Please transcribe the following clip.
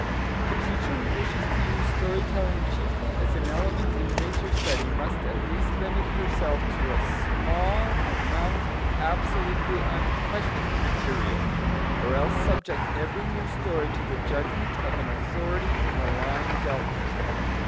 The teacher who wishes to use story telling chiefly as an element in nature study must at least limit herself to a small amount of absolutely unquestioned material, or else subject every new story to the judgment of an authority in the line dealt with.